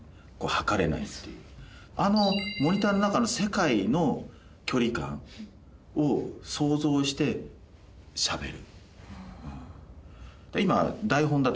あのモニターのなかの世界の距離感を想像してしゃべる